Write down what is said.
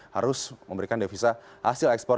harus memberikan devisa hasil ekspor